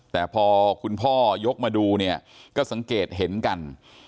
แต่พอคุณพ่อยกมาดูเนี่ยก็สังเกตเห็นกัน